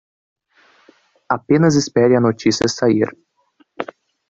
Apenas espere a notícia sair